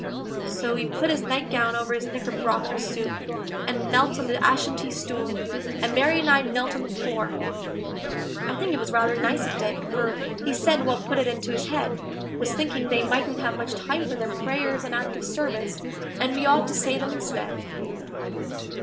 So he put his nightgown over his knickerbocker suit, and knelt on the Ashantee stool, and Mary and I knelt on the floor. I think it was rather nice of Dick, for he said what put it into his head Was thinking they mightn't have much time for their prayers on active service, and we ought to say them instead.